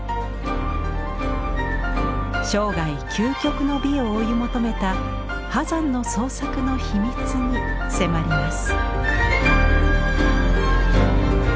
生涯究極の美を追い求めた波山の創作の秘密に迫ります。